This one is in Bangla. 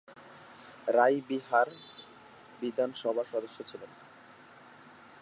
রাই বিহার বিধানসভার সদস্য ছিলেন।